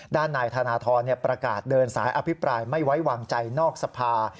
ด้านนายธนทรประกาศเดินสายอภิปรายไม่ไว้วางใจนอกสภา